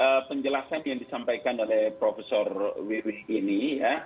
ini penjelasan yang disampaikan oleh profesor wiwi ini ya